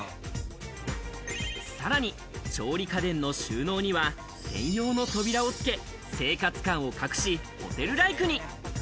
さらに、調理家電の収納には専用の扉をつけ、生活感を隠し、ホテルライクに。